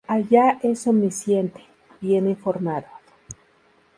Allah es omnisciente, bien informado"".